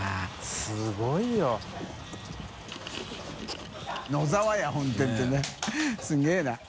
垢瓦い茵野沢屋本店」ってねすげぇな。